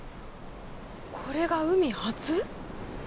これが海初？